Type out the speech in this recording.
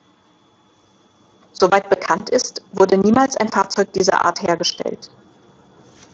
Soweit bekannt ist, wurde niemals ein Fahrzeug dieser Art hergestellt.